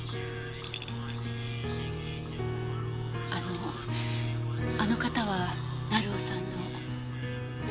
あのあの方は成尾さんの？